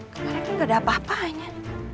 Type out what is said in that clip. kemarin kan gak ada apa apanya